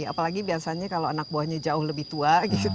apalagi biasanya kalau anak buahnya jauh lebih tua